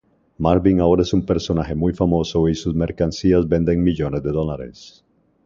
Marvin ahora es un personaje muy famoso y sus mercancías venden millones de dólares.